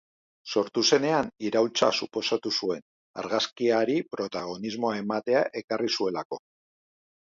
Sortu zenean, iraultza suposatu zuen, argazkiari protagonismoa ematea ekarri zuelako.